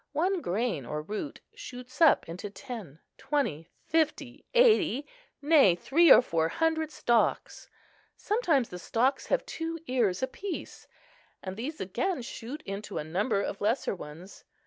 One grain or root shoots up into ten, twenty, fifty, eighty, nay, three or four hundred stalks: sometimes the stalks have two ears apiece, and these again shoot into a number of lesser ones.